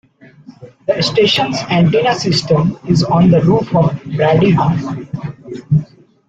The station's antenna system is on the roof of Brady Hall.